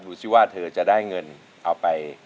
ดูสิว่าเธอจะได้เงินเอาไป